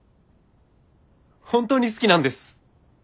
本当に好きなんです。